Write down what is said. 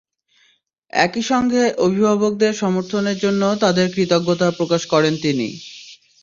একই সঙ্গে অভিভাবকদের সমর্থনের জন্য তাঁদের প্রতি কৃতজ্ঞতা প্রকাশ করেন তিনি।